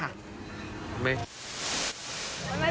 เราไปดิสรุปคนจะรู้ว่าเราทำไมถึงไม่ได้มา